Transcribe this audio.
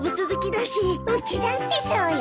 うちだってそうよ。